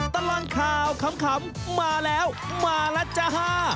ตลอดข่าวขำมาแล้วมาแล้วจ้า